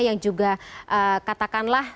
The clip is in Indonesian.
yang juga katakanlah